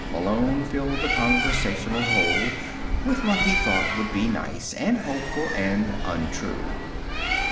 Malone filled the conversational hole with what he thought would be nice, and hopeful, and untrue.